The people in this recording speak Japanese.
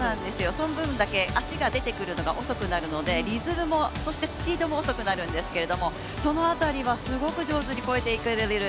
その分だけ足が出てくるのが遅くなるのでリズムも、そしてスピードも遅くなるんですけどその辺りがすごく上手に超えていける。